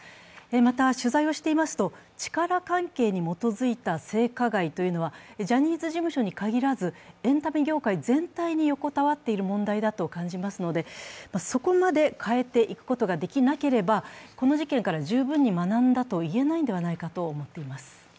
また、取材をしていますと、力関係に基づいた性加害というのはジャニーズ事務所に限らずエンタメ業界全体に横たわっている問題だと感じますので、そこまで変えていくことができなければ、この事件から十分に学んだといえないのではないかと思っています。